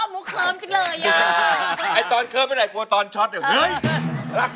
เดี๋ยวนะเดี๋ยวนะ